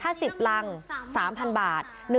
๕๐รัง๓๐๐๐บาท